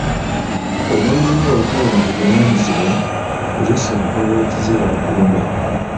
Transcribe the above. Omwami wo bw'ataba na buvunaanyizibwa, kozesa enkola ya kizaalaggumba.